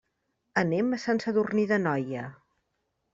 Anem a Sant Sadurní d'Anoia.